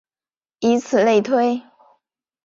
以此类推。